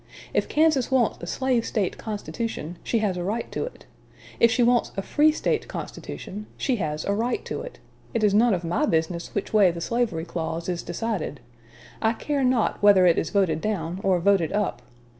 If Kansas wants a slave State constitution, she has a right to it; if she wants a free State constitution, she has a right to it. It is none of my business which way the slavery clause is decided. I care not whether it is voted down or voted up.